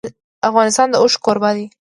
افغانستان د اوښ کوربه دی.